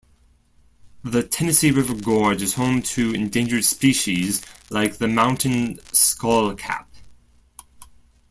The Tennessee River Gorge is home to endangered species like the mountain skullcap.